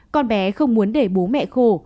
con bé không muốn để bố mẹ khổ